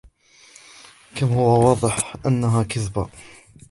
كم هو واضح أنها كذبة!